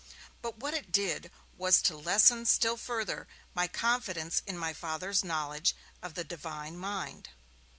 But what it did was to lessen still further my confidence in my Father's knowledge of the Divine mind.